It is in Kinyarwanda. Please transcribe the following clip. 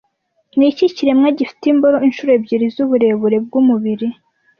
Niki kiremwa gifite imboro inshuro ebyiri z'uburebure bwumubiri